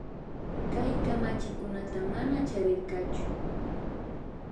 Kay kamachikunata mana charirkachu